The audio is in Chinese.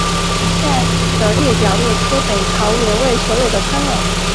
以下的列表列出北朝元魏所有的藩王。